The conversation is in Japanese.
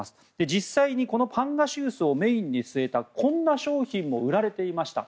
実際にこのパンガシウスをメインに据えた、こんな商品も売られていました。